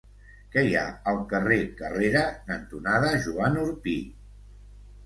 Què hi ha al carrer Carrera cantonada Joan Orpí?